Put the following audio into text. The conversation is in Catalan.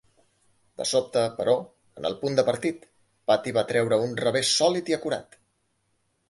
De sobte, però, en el punt de partit, Patty va treure un revés sòlid i acurat.